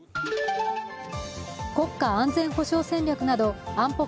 国家安全保障戦略など安保